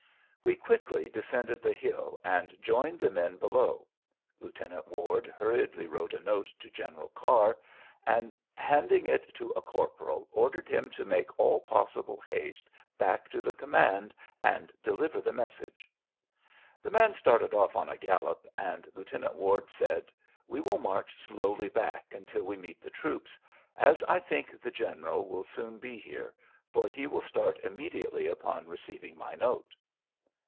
We quickly descended the hill and joined the men below. Lieutenant Ward hurriedly wrote a note to General Carr, and handing it to a corporal, ordered him to make all possible haste back to the command and deliver the message. The man started off on a gallop, and Lieutenant Ward said, "We will march slowly back until we meet the troops, as I think the General will soon be here, for he will start immediately upon receiving my note."